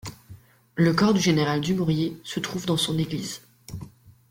Le corps du général Dumouriez se trouve dans son église.